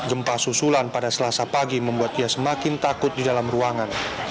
gempa susulan pada selasa pagi membuat ia semakin takut di dalam ruangan